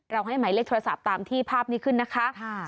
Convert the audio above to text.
ให้หมายเลขโทรศัพท์ตามที่ภาพนี้ขึ้นนะคะ